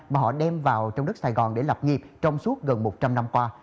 mà họ đem vào trong đất sài gòn để lập nghiệp trong suốt gần một trăm linh năm qua